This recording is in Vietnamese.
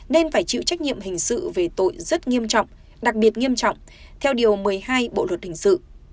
nên phải chịu trách nhiệm hình sự về tội rất nghiêm trọng đặc biệt nghiêm trọng theo điều một mươi hai bộ luật hình sự